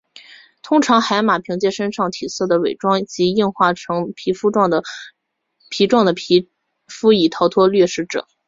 通常海马凭借身上体色的伪装及硬化成皮状的皮肤以逃避掠食者。